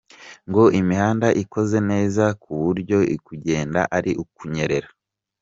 Ngo imihanda ikoze neza kuburyo kugenda ari ukunyerera.